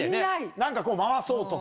何か回そうとか。